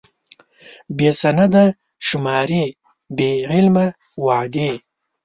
بې سنده شمارې، بې عمله وعدې.